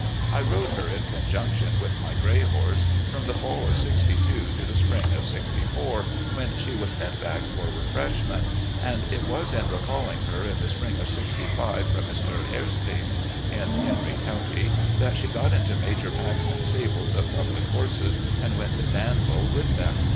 I rode her in conjtmction with my gray horse from the fall of '62 to the spring of '64, when she was sent back for refreshment; and it was in recalling her in the spring of '65 from Mr. Hairston's, in Henry Cotmty, that she got into Major Paxton's stables of public horses and went to Danville with them.